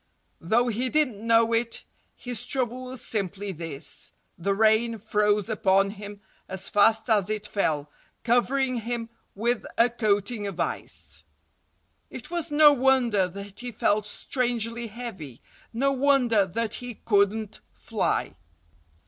Though he didn't know it, his trouble was simply this: The rain froze upon him as fast as it fell, covering him with a coating of ice. It was no wonder that he felt strangely heavy—no wonder that he couldn't fly.